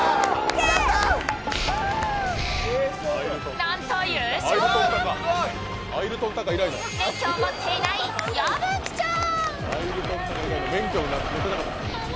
なんと優勝は免許を持っていない矢吹ちゃん。